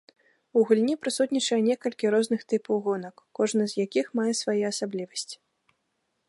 У гульні прысутнічае некалькі розных тыпаў гонак, кожны з якіх мае свае асаблівасці.